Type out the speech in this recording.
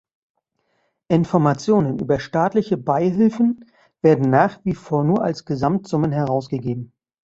Informationen über staatliche Beihilfen werden nach wie vor nur als Gesamtsummen herausgegeben.